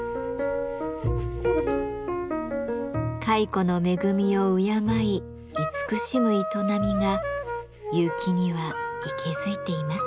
蚕の恵みを敬い慈しむ営みが結城には息づいています。